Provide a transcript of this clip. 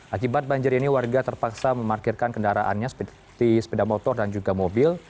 akibat banjir ini warga terpaksa memarkirkan kendaraannya seperti sepeda motor dan juga mobil